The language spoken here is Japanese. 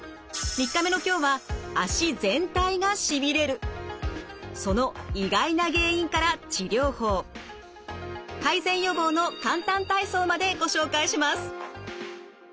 ３日目の今日はその意外な原因から治療法改善・予防の簡単体操までご紹介します。